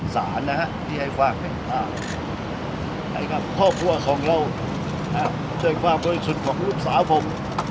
สารนะฮะที่ให้ฝากให้พ่อพ่อพ่อของเราช่วยฝากโดยสุดของลูกสาวผม